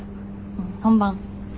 本番。